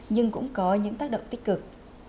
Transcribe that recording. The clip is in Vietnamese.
nhưng cũng có những tác động tiêu cực